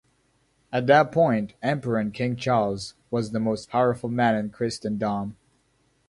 At that point, Emperor and King Charles was the most powerful man in Christendom.